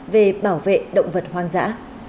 để bảo vệ động vật hoang dã